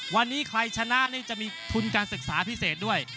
วันนี้ใครชนะนี่จะมีทุนการศึกษาพิเศษด้วย